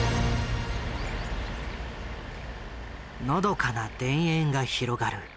のどかな田園が広がる